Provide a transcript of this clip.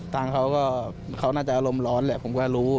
ทางเขาก็เขาน่าจะอารมณ์ร้อนแหละผมก็รู้